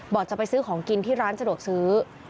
บอกจะไปซื้อของกินที่ร้านจรวดซื้อ